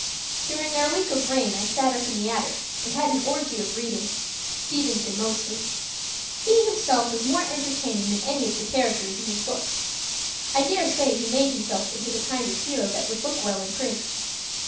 During our week of rain I sat up in the attic and had an orgy of reading Stevenson, mostly. He himself is more entertaining than any of the characters in his books; I dare say he made himself into the kind of hero that would look well in print.